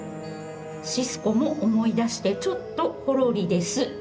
シスコも思い出してちょっとほろりです。